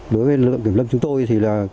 đối với lực lượng kiểm lâm chúng tôi